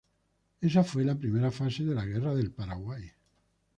Esa fue la primera fase de la Guerra del Paraguay.